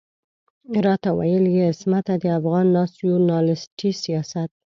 راته ويل يې عصمته د افغان ناسيوناليستي سياست.